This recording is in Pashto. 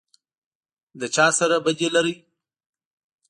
_ له چا سره بدي لری؟